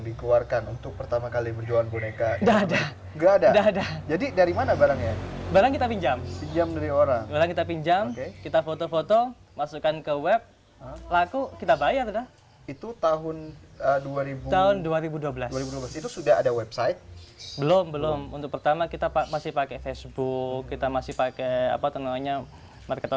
ibarat ketape patah sambil menyelam minum air